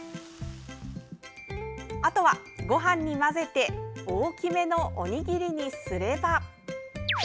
あとはごはんに混ぜて大きめのおにぎりにすれば。